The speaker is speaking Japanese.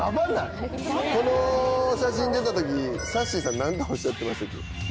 この写真出た時さっしーさん何とおっしゃってましたっけ？